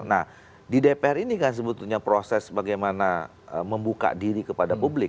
nah di dpr ini kan sebetulnya proses bagaimana membuka diri kepada publik